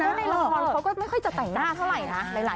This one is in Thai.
แล้วในละครเขาก็ไม่ค่อยจะแต่งหน้าเท่าไหร่นะ